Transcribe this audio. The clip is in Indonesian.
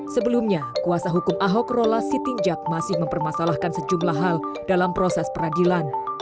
sebelumnya kuasa hukum ahok rola sitinjak masih mempermasalahkan sejumlah hal dalam proses peradilan